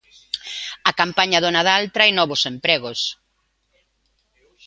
A campaña do Nadal trae novos empregos.